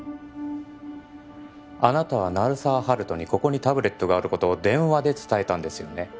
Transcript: あなたは鳴沢温人にここにタブレットがあることを電話で伝えたんですよね？